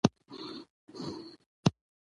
چي دا چاره د کاري فرصتونو